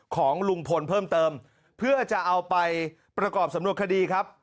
ของลุงพลเพิ่มเติมเพื่อจะเอาไปประกอบสำนวนคดีครับ